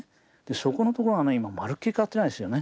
そこのところはね今まるっきり変わってないですよね。